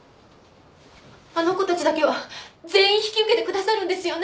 あの子たちだけは全員引き受けてくださるんですよね？